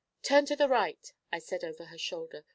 'Turn to the right,' I said, over her shoulder.